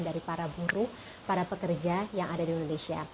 dari para buruh para pekerja yang ada di indonesia